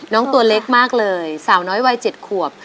ตัวเล็กมากเลยสาวน้อยวัย๗ขวบ